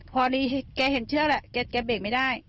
พอดีแกเห็นเชือกแหละแกเบรกไม่ได้